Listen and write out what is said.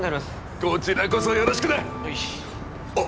こちらこそよろしくねあっ